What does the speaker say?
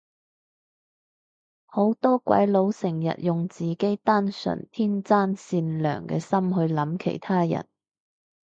好多鬼佬成日都用自己單純天真善良嘅心去諗其他人